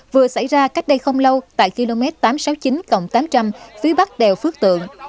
vừa xảy ra cách đây không lâu tại km tám trăm sáu mươi chín cộng tám trăm linh phía bắc đèo phước tượng